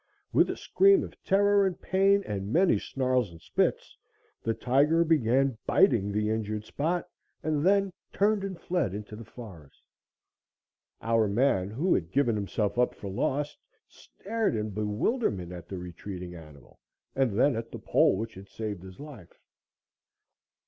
With a scream of terror and pain and many snarls and spits, the tiger began biting the injured spot and then turned and fled into the forest. Our man, who had given himself up for lost, stared in bewilderment at the retreating animal and then at the pole which had saved his life.